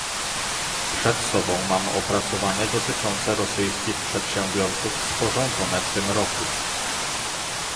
Przed sobą mam opracowanie dotyczące rosyjskich przedsiębiorców sporządzone w tym roku